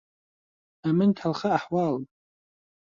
ئەمن تەڵخە ئەحوالم